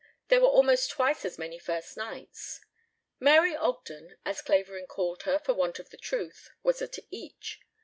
There were almost twice as many first nights. "Mary Ogden," as Clavering called her for want of the truth, was at each.